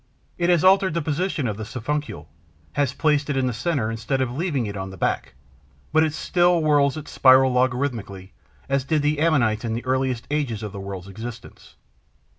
It has altered the position of the siphuncle, has placed it in the centre instead of leaving it on the back, but it still whirls its spiral logarithmically as did the Ammonites in the earliest ages of the world's existence.